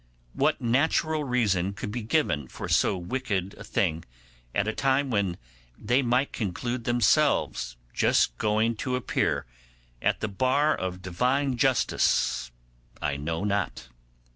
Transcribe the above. What natural reason could be given for so wicked a thing at a time when they might conclude themselves just going to appear at the bar of Divine justice I know not.